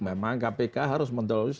memang kpk harus menolak